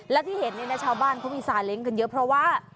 และที่เห็นเนี่ยนะชาวบ้านเขามีซาเล้งกันเยอะเพราะว่า